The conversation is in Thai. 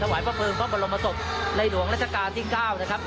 วายพระเพลิงพระบรมศพในหลวงราชการที่๙นะครับ